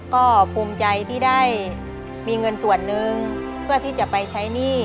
ก็ภูมิใจที่ได้มีเงินส่วนหนึ่งเพื่อที่จะไปใช้หนี้